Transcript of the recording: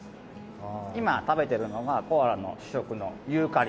今食べてるのがコアラの主食のユーカリ。